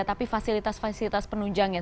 tapi fasilitas fasilitas penunjangnya